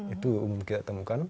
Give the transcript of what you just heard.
itu umum kita temukan